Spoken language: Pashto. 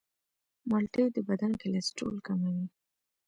مالټې د بدن کلسترول کموي.